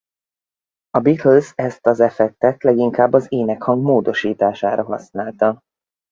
A Beatles ezt az effektet leginkább az énekhang módosítására használta.